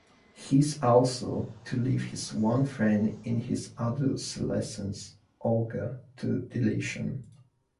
He is also to leave his one friend in his adolescence, Olga, to deletion.